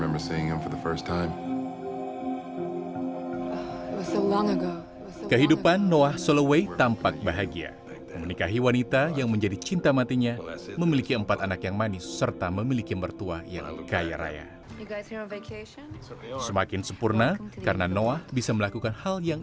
perselingkuhan keluarga masing masing